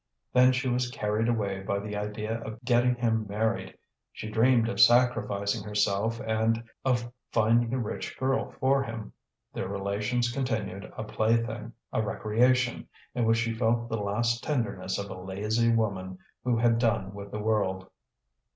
Then she was carried away by the idea of getting him married; she dreamed of sacrificing herself and of finding a rich girl for him. Their relations continued a plaything, a recreation, in which she felt the last tenderness of a lazy woman who had done with the world.